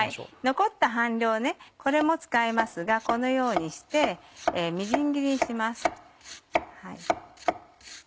残った半量はこれも使いますがこのようにしてみじん切りにします。